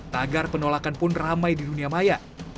tagar penolakan pun ramai di dunia maya